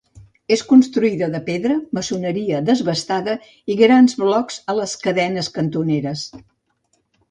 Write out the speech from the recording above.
És construïda de pedra, maçoneria desbastada, i grans blocs a les cadenes cantoneres.